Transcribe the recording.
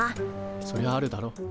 そりゃあるだろ。